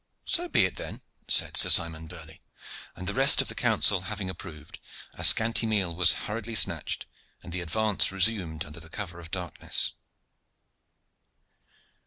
"So be it, then," said Sir Simon Burley; and the rest of the council having approved, a scanty meal was hurriedly snatched, and the advance resumed under the cover of the darkness.